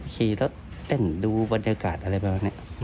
เขาขี่รถเต้นดูบรรยากาศอะไรแบบนี้